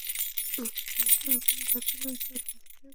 হুবহু এমন ঘটনা না ঘটলেও কোয়ান্টামের জগৎটা আসলে এমনই ভুতুড়ে।